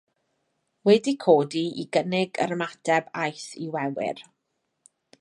Wedi codi i gynnig yr ymateb aeth i wewyr.